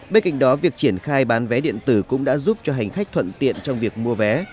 bên cạnh đó việc triển khai bán vé điện tử cũng đã giúp cho hành khách thuận tiện trong việc mua vé